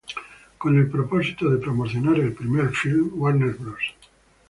Con el propósito de promocionar el primer filme, Warner Bros.